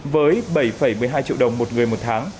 với bảy một mươi hai triệu đồng một người một tháng